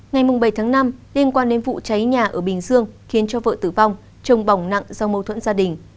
ngày bảy tháng năm liên quan đến vụ cháy nhà ở bình dương khiến cho vợ tử vong chồng bỏng nặng do mâu thuẫn gia đình